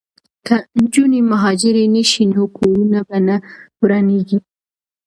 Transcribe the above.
که نجونې مهاجرې نه شي نو کورونه به نه ورانیږي.